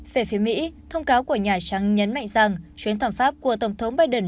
về phía mỹ thông cáo của nhà trắng nhấn mạnh rằng chuyến thăm pháp của tổng thống biden